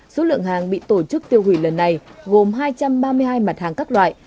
số lượng hàng bị tổ chức tiêu hủy lần này gồm hai trăm ba mươi hai mặt hàng các loại